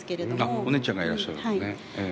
お姉ちゃんがいらっしゃるんですね。